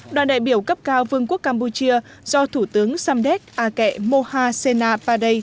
đoàn đại biểu cấp cao vương quốc campuchia do thủ tướng samdek ake moha sena paday